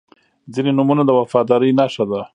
• ځینې نومونه د وفادارۍ نښه ده.